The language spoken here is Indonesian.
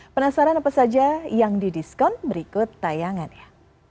penasaran apa saja yang didiskon berikut tayangan ya